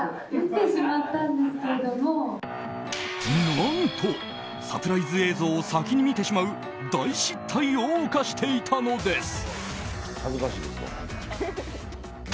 何と、サプライズ映像を先に見てしまう大失態を犯していたのです。